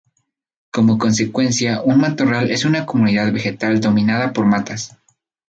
Como consecuencia, un matorral es una comunidad vegetal dominada por matas.